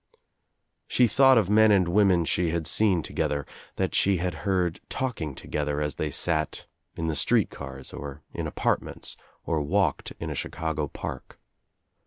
r She thought of men and women she had seen to gether, that she had heard talliing together as they sat in the street cars or in apartments or walked m a Chicago park.